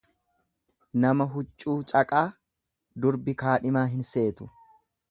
Nama huccuu caqaa durbi kaadhimaa hin seetu.